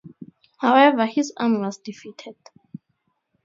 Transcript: However, his army was defeated.